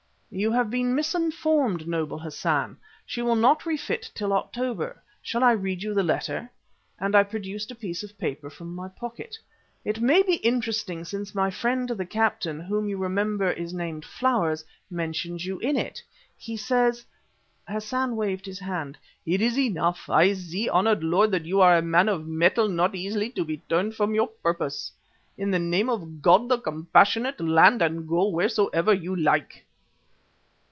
"You have been misinformed, noble Hassan. She will not refit till October. Shall I read you the letter?" and I produced a piece of paper from my pocket. "It may be interesting since my friend, the captain, whom you remember is named Flowers, mentions you in it. He says " Hassan waved his hand. "It is enough. I see, honoured lord, that you are a man of mettle not easily to be turned from your purpose. In the name of God the Compassionate, land and go wheresoever you like."